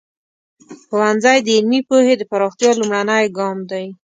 ښوونځی د علمي پوهې د پراختیا لومړنی ګام دی.